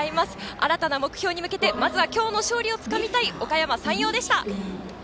新たな目標に向けてまずは今日の勝利をつかみたいおかやま山陽でした。